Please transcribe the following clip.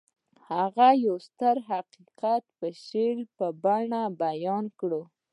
هغه يو ستر حقيقت په شعري بڼه بيان کړ.